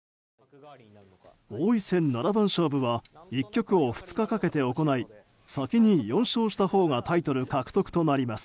王位戦七番勝負は１局を２日かけて行い先に４勝したほうがタイトル獲得となります。